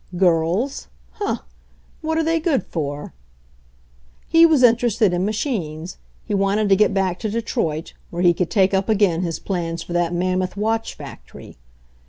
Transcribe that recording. "Girls ?— huh ! What are they good for ?" He was interested in machines. He wanted to get back to Detroit, where he could take up again his plans for that mammoth watch fac tory.